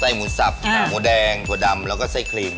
ไต้หมูซับทะกมัวแดงถั่วดำแล้วก็ไส้ครีม